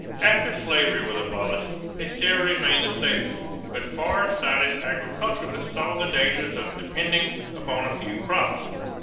After slavery was abolished, they still remained the staples, but far sighted agriculturists saw the dangers of depending upon a few crops.